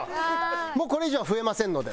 もうこれ以上は増えませんので。